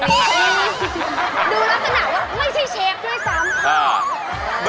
ดูลักษณะว่าไม่ใช่เชฟด้วยซ้ำ